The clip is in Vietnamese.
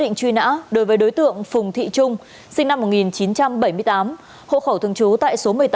lệnh truy nã đối với đối tượng phùng thị trung sinh năm một nghìn chín trăm bảy mươi tám hộ khẩu thường trú tại số một mươi tám